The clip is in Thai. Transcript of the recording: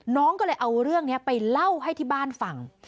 น้องก็เลยเอาเรื่องนี้ไปเล่าให้ที่บ้านฟัง